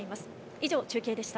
以上、中継でした。